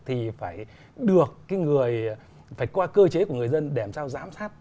thì phải qua cơ chế của người dân để làm sao giám sát